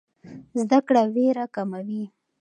زده کړه ویره کموي.